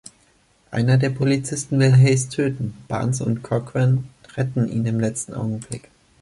Einer der Polizisten will Hayes töten; Barnes und Cochran retten ihn im letzten Augenblick.